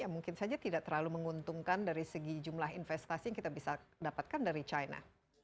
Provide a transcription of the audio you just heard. yang mungkin saja tidak terlalu menguntungkan dari segi jumlah investasi yang kita bisa dapatkan dari china